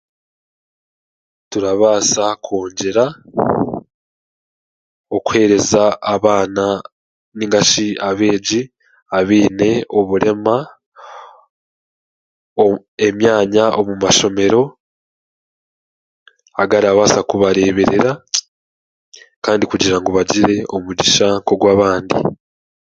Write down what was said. Turabaasa kugira okuhereza abaana nainga shi abeegi abaine oburema oo emyanya omu mashomero agarabaasa kubareeberera kandi kugira ngu bagire omugisha nk'ogu abandi